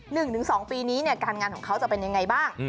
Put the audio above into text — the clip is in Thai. หนึ่งถึงสองปีนี้เนี่ยการงานของเขาจะเป็นยังไงบ้าง